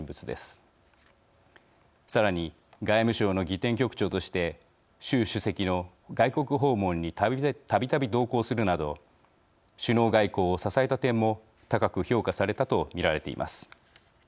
さらに外務省の儀典局長として習主席の外国訪問にたびたび同行するなど首脳外交を支えた点も高く評価されたと見られています。